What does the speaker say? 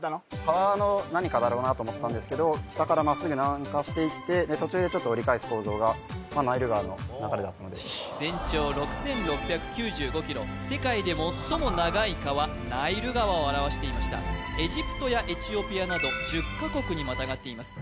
川の何かだろうなと思ったんですけど北からまっすぐ南下していって途中でちょっと折り返す構造がナイル川の流れだったので全長６６９５キロ世界で最も長い川ナイル川を表していましたエジプトやエチオピアなど１０カ国にまたがっています